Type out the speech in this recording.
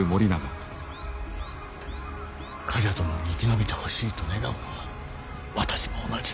冠者殿に生き延びてほしいと願うのは私も同じ。